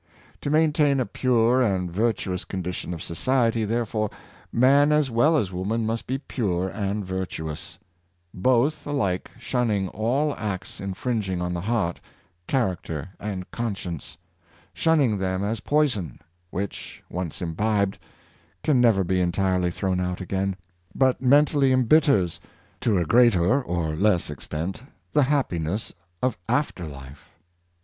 To main tain a pure and virtuous condition of society, therefore, man as well as woman must be pure and virtuous ; both alike shunning all acts infringing on the heart, charac ter, and conscience — shunning them as poison, which, once imbibed, can never be entirely thrown out again, but mentally embitters, to a greater or less extent, the happiness of after life.